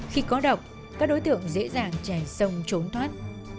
khi có độc các đối tượng dễ dàng chảy sông trốn thoát